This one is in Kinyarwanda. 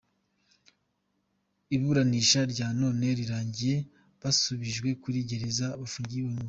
Iburanisha rya none rirangiye basubijwe kuri gereza bafungiyemo